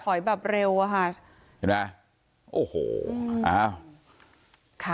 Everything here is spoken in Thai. ถอยแบบเร็วอะค่ะเห็นมั้ยโอ้โหค่ะ